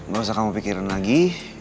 gak usah kamu pikirin lagi